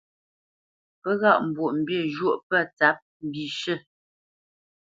Pə́ ghâʼ Mbwoʼmbî njwōʼ pə̂ tsǎp mbishʉ̂.